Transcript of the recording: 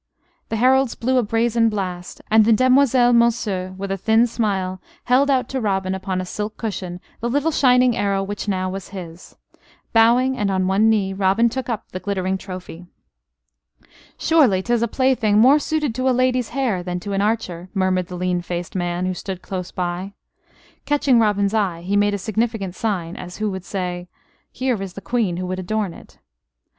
The heralds blew a brazen blast, and the demoiselle Monceux, with a thin smile, held out to Robin upon a silk cushion the little shining arrow which now was his. Bowing, and on one knee, Robin took up the glittering trophy. "Surely 'tis a plaything more suited to a lady's hair than to an archer," murmured the lean faced man, who stood close by. Catching Robin's eye, he made a significant sign, as who would say: "Here is the Queen who would adorn it."